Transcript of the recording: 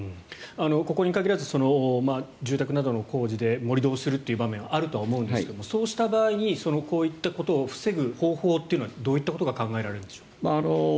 ここに限らず住宅などの工事で盛り土をするという場面があると思いますがそうした場合にこういったことを防ぐ方法はどういったことが考えられるんでしょうか？